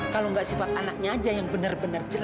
kalau gak sifat anaknya aja yang bener bener jelek